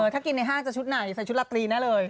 ถ้ากินในห้างจะชุดไหนใส่ชุดลาตรีแน่เลย